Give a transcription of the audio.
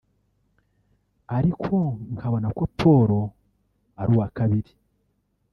ariko nkabona ko Paul ari uwa kabiri